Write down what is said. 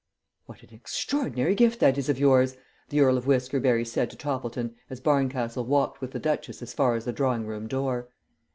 "What an extraordinary gift that is of yours!" the Earl of Whiskerberry said to Toppleton as Barncastle walked with the duchess as far as the drawing room door.